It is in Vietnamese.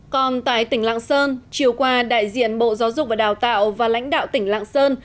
còn tại tỉnh lạng sơn chiều qua đại diện bộ giáo dục và đào tạo và lãnh đạo tỉnh lạng sơn